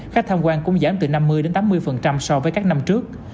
khách tham quan cũng giảm từ năm mươi tám mươi so với các năm trước